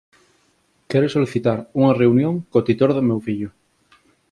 Quero solicitar unha reunión co titor do meu fillo